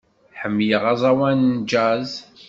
Ḥemmleɣ aẓawan n jazz.